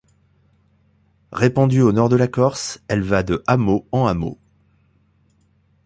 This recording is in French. Répandue au nord de la Corse, elle va de hameau en hameau.